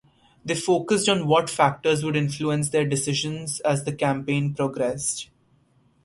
They focused on what factors would influence their decisions as the campaign progressed.